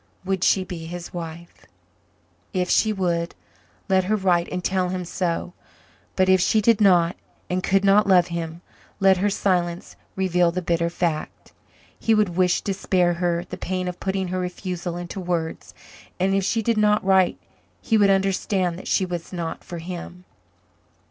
Would she be his wife? If she would, let her write and tell him so. But if she did not and could not love him, let her silence reveal the bitter fact; he would wish to spare her the pain of putting her refusal into words, and if she did not write he would understand that she was not for him.